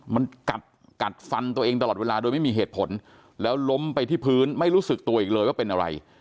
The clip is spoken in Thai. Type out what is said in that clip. มันกัดกัดฟันตัวเองตลอดเวลาโดยไม่มีเหตุผลแล้วล้มไปที่พื้นไม่รู้สึกตัวอีกเลยว่าเป็นอะไร